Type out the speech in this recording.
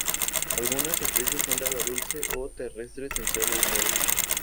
Algunas especies son de agua dulce o terrestres en suelo húmedo.